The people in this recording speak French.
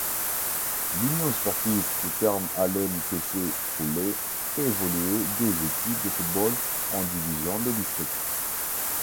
L'Union sportive Couterne-Haleine-Tessé-Froulay fait évoluer deux équipes de football en divisions de district.